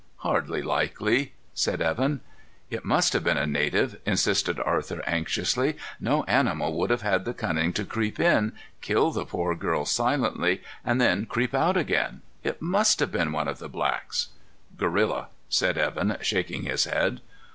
"Hardly likely," said Evan. "It must have been a native," insisted Arthur anxiously. "No animal would have had the cunning to creep in, kill the poor girl silently, and then creep out again. It must have been one of the blacks." "Gorilla," said Evan, shaking his head.